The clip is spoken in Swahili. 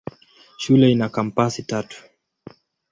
Shule ina kampasi tatu.